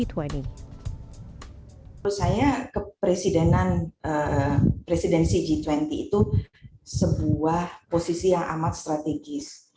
menurut saya kepresidenan presidensi g dua puluh itu sebuah posisi yang amat strategis